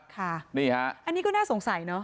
ค่ะอันนี้ก็น่าสงสัยเนอะ